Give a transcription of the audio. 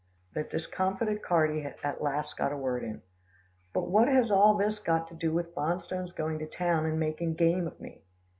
The discomfited Carty at last got a word in. "But what has all this got to do with Bonstone's going to town and making game of me?"